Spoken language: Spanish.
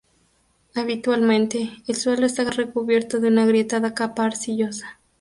Habitualmente, el suelo está recubierto de una agrietada capa arcillosa.